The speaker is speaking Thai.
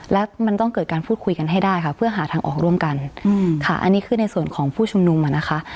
และมันต้องเกิดการพูดคุยกันให้ได้ค่ะเพื่อหาทางออกร่วมกันค่ะอันนี้คือในส่วนของผู้ชุมนุมอ่ะนะคะ